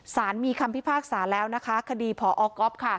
สารมีคำพิพากษาแล้วนะคะคดีพอก๊อฟค่ะ